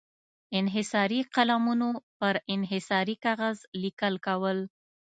انحصاري قلمونو پر انحصاري کاغذ لیکل کول.